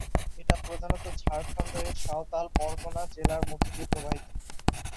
এটা প্রধানত ঝাড়খন্ড-এর সাঁওতাল পরগণা জেলার মধ্য দিয়ে প্রবাহিত।